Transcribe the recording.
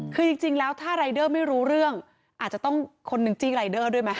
คือจริงแล้วถ้ารายเดอร์ไม่รู้เรื่องอาจจะต้องคนหนึ่งจี้รายเดอร์ด้วยไหม